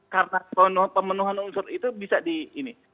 kartak penuh pemenuhan unsur itu bisa di ini